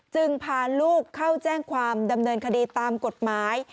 จึงพาลูกเข้าแจ้งความดำเนินคดีตามกฎหมาย